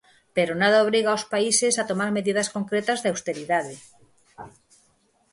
Pero nada obriga aos países a tomar medidas concretas de austeridade.